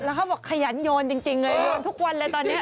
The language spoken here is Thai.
แล้วเขาบอกขยันโยนจริงเลยโยนทุกวันเลยตอนนี้